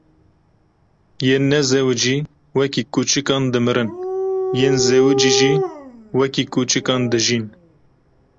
Yên nezewicî wekî kûçikan dimirin, yên zewicî jî wekî kûçikan dijîn.